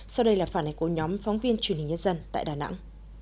sau đây là phản ánh của nhóm phóng viên truyền hình nhân dân tại đà nẵng